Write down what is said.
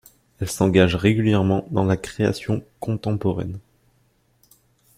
Elle s'engage régulièrement dans la création contemporaine.